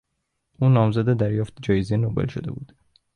او نامزد دریافت جایزه نوبل شده بود.